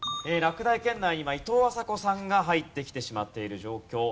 落第圏内に今いとうあさこさんが入ってきてしまっている状況。